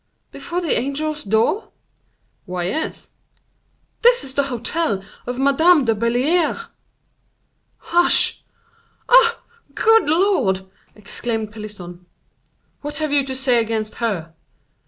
before the angel's door?" "Why, yes." "This is the hotel of Madame de Belliere!" "Hush!" "Ah! Good Lord!" exclaimed Pelisson. "What have you to say against her?"